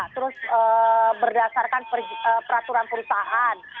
terus berdasarkan peraturan perusahaan